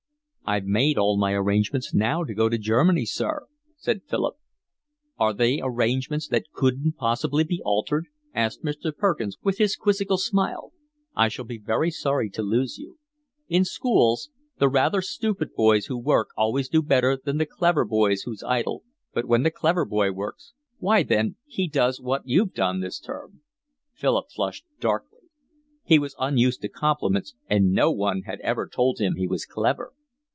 "I've made all my arrangements now to go to Germany, sir," said Philip. "Are they arrangements that couldn't possibly be altered?" asked Mr. Perkins, with his quizzical smile. "I shall be very sorry to lose you. In schools the rather stupid boys who work always do better than the clever boy who's idle, but when the clever boy works—why then, he does what you've done this term." Philip flushed darkly. He was unused to compliments, and no one had ever told him he was clever.